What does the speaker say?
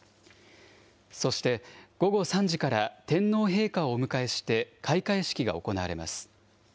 そして午後３時から天皇陛下をお迎えして、開会式が行われます。